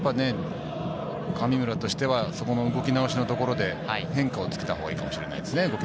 神村としてはあそこの動き直しのところで、変化をつけたほうがいいかもしれないですね。